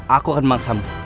aku akan memaksamu